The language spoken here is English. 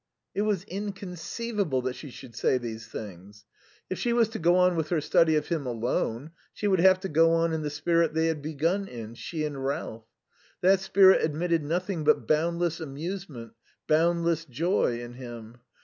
It was inconceivable that she should say these things. If she was to go on with her study of him alone she would go on in the spirit they had begun in, she and Ralph. That spirit admitted nothing but boundless amusement, boundless joy in him.